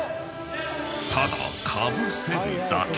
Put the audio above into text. ［ただかぶせるだけ］